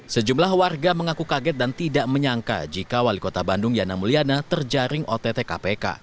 sejumlah warga mengaku kaget dan tidak menyangka jika wali kota bandung yana mulyana terjaring ott kpk